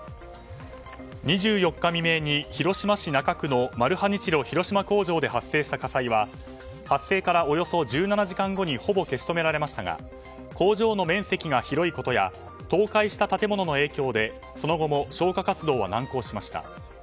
２４日未明に広島市中区のマルハニチロ広島工場で発生した火災は発生からおよそ１７時間後にほぼ消し止められましたが工場の面積が広いことや倒壊した建物の影響でその後も消火活動は難航しました。